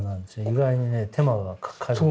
意外にね手間がかかる。